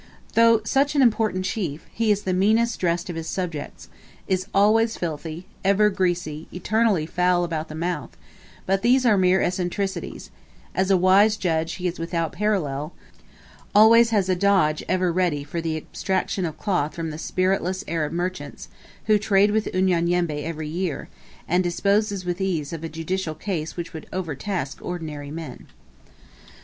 Though such an important chief, he is the meanest dressed of his subjects, is always filthy, ever greasy eternally foul about the mouth; but these are mere eccentricities: as a wise judge, he is without parallel, always has a dodge ever ready for the abstraction of cloth from the spiritless Arab merchants, who trade with Unyanyembe every year; and disposes with ease of a judicial case which would overtask ordinary men.